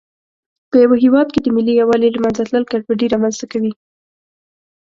په یوه هېواد کې د ملي یووالي له منځه تلل ګډوډي رامنځته کوي.